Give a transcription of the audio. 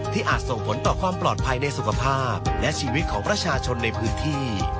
อาจส่งผลต่อความปลอดภัยในสุขภาพและชีวิตของประชาชนในพื้นที่